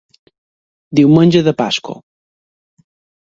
Diumenge de Pasqua.